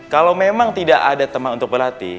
kalau memang tidak ada teman untuk berlatih